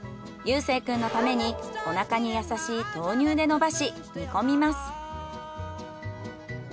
結誠くんのためにおなかに優しい豆乳で伸ばし煮込みます。